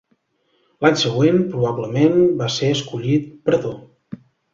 L'any següent probablement va ser escollit pretor.